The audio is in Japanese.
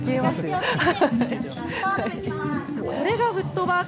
これがフットワーク。